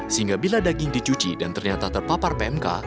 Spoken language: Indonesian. sehingga bila daging dicuci dan ternyata terpapar pmk